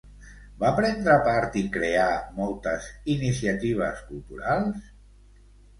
Va prendre part i crear moltes iniciatives culturals?